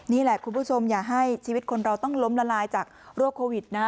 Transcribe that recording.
นี่แหละคุณผู้ชมอย่าให้ชีวิตคนเราต้องล้มละลายจากโรคโควิดนะ